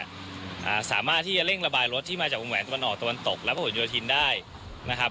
อ่าสามารถที่จะเร่งระบายรถที่มาจากวงแหวนตะวันออกตะวันตกและพระหลโยธินได้นะครับ